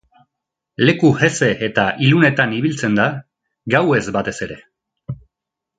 Leku heze eta ilunetan ibiltzen da, gauez batez ere.